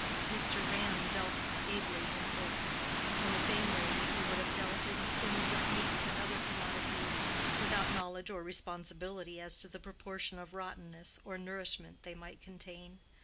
Mr. Ram dealt ably in books, in the same way that he would have dealt in tins of meat and other commodities—without knowledge or responsibility as to the proportion of rottenness or nourishment they might contain.